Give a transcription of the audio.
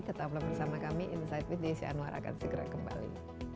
tetaplah bersama kami insight with desi anwar akan segera kembali